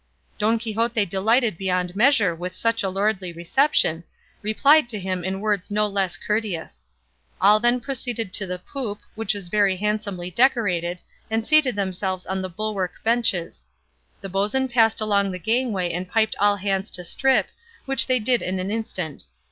Don Quixote delighted beyond measure with such a lordly reception, replied to him in words no less courteous. All then proceeded to the poop, which was very handsomely decorated, and seated themselves on the bulwark benches; the boatswain passed along the gangway and piped all hands to strip, which they did in an instant.